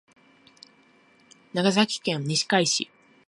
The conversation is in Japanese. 長崎県西海市